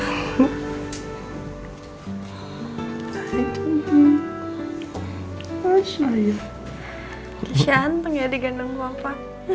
kisya hanteng ya digandung papa